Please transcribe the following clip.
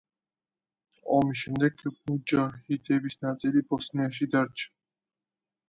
ომის შემდეგ მუჯაჰიდების ნაწილი ბოსნიაში დარჩა.